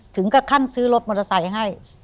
ถึงขั้นซื้อรถมอเตอร์ไซค์ให้